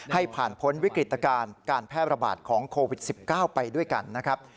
ให้ผ่านพ้นวิกฤตการณ์การแพร่ระบาดของโควิด๑๙ไปด้วยกันนะครับ